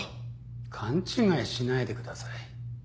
勘違いしないでください。